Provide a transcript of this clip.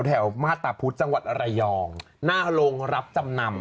แถวมาตราพุทธจังหวัดระยองหน้าโรงรับจำนำ